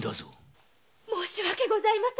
申し訳ございませんでした。